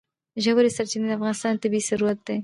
ژورې سرچینې د افغانستان طبعي ثروت دی.